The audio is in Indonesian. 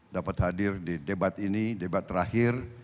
dapat hadir di debat ini debat terakhir